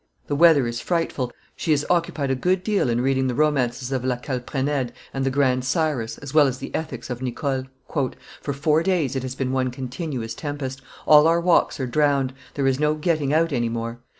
The weather is frightful; she is occupied a good deal in reading the romances of La Calprenede and the Grand Cyrus, as well as the Ethics of Nicole. "For four days it has been one continuous tempest; all our walks are drowned; there is no getting out any more.